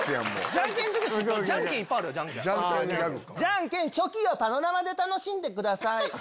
ジャンケンチョキをパノラマで楽しんでください。